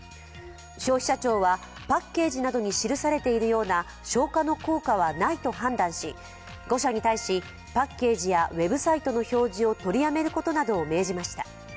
消費者庁はパッケージなどに記されているような消火の効果はないと判断し、５社に対しパッケージやウェブサイトの表示を取りやめることなどを命じました。